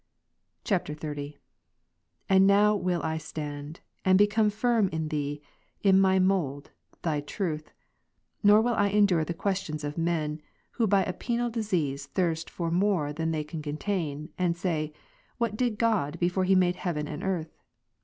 [XXX.] 40. And now will I stand, and become firm in | Thee, in my mould. Thy truth ; nor will I endure the questions of men, who by a penal disease thirst for more than they can contain, and say, "what did God before He made heaven and earth